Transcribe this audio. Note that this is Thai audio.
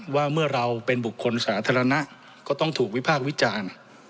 ว่าเมื่อเราเป็นบุคคลสาธารณะก็ต้องถูกวิพากษ์วิจารณ์